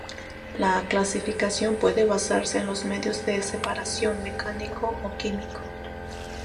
La clasificación puede basarse en los medios de separación, "mecánico" o "químico".